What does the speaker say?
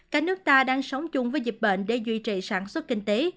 cả nước ta đang sống chung với dịch bệnh để duy trì sản xuất kinh tế